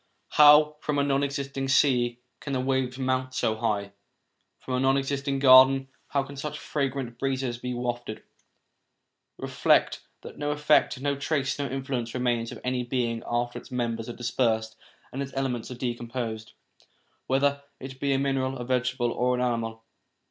How, from a non existing sea, can the waves mount so high? From a non existing garden, how can such fragrant breezes be wafted ? Reflect that no effect, no trace, no influence remains of any being after its members are dispersed and its elements v are decomposed, whether it be a mineral, a vegetable, or an animal.